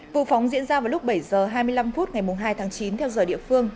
vụ phóng diễn ra vào lúc bảy h hai mươi năm phút ngày hai tháng chín theo giờ địa phương